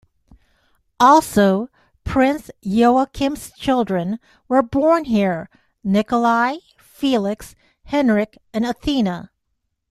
Also Prince Joachim's children were born here: Nikolai, Felix, Henrik and Athena.